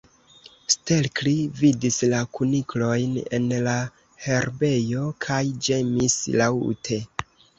Stelkri vidis la kuniklojn en la herbejo, kaj ĝemis laŭte.